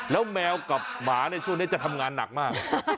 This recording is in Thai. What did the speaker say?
แล้วแมวกับหมาในช่วงนี้จะทำงานหนักมาก